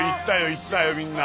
行ったよみんな。